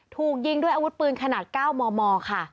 ถูกยิงด้วยอาวุธปืนขนาด๙มมค่ะ